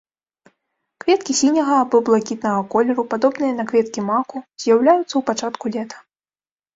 Кветкі сіняга або блакітнага колеру, падобныя на кветкі маку, з'яўляюцца ў пачатку лета.